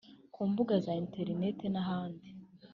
ku mbuga za interineti n’ahandi